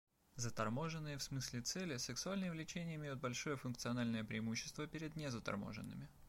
Заторможенные в смысле цели сексуальные влечения имеют большое функциональное преимущество перед незаторможенными.